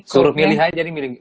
suruh milih aja nih